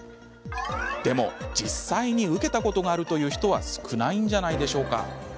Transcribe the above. でも、実際に受けたことがあるという人は少ないんじゃないでしょうか。